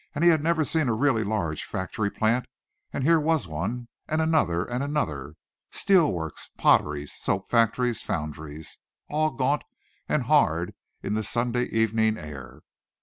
He had never seen a really large factory plant, and here was one, and another, and another steel works, potteries, soap factories, foundries, all gaunt and hard in the Sunday evening air.